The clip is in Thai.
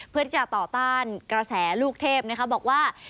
เพื่อจะต่อต้านกระแสลูกเทพบอกว่า